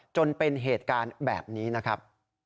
จนเป็นเหตุการณ์แบบนี้นะครับ